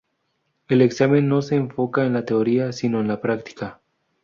El examen no se enfoca en la teoría, sino en la práctica.